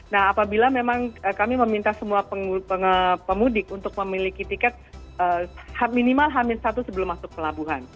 nah apabila memang kami meminta semua pemudik untuk memiliki tiket minimal hamil satu sebelum masuk pelabuhan